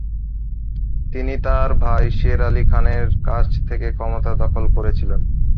তিনি তার ভাই শের আলি খানের কাছ থেকে ক্ষমতা দখল করেছিলেন।